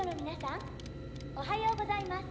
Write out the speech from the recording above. あおはようございます。